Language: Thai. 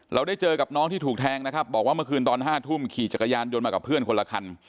เราได้เจอกับน้องที่ถูกแทงนะครับบอกว่าเมื่อคืนตอน๕ทุ่มขี่จักรยานยนต์มากับเพื่อนคนละคัน